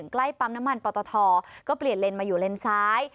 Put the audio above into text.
ใกล้ปรัมน้ำมันปฏฐทอก็เปลี่ยนลินมาอยู่ระยะซ้าย